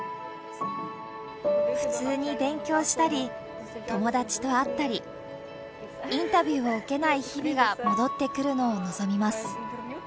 普通に勉強したり、友達と会ったり、インタビューを受けない日々が戻ってくるのを望みます。